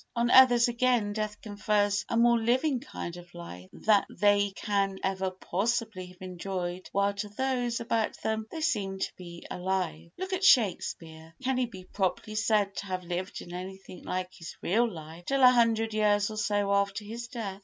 On others, again, death confers a more living kind of life than they can ever possibly have enjoyed while to those about them they seemed to be alive. Look at Shakespeare; can he be properly said to have lived in anything like his real life till a hundred years or so after his death?